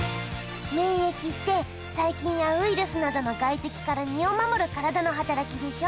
免疫って細菌やウイルスなどの外敵から身を守る体の働きでしょ？